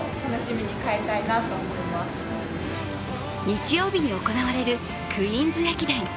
日曜日に行われるクイーンズ駅伝。